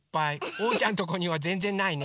おうちゃんとこにはぜんぜんないね。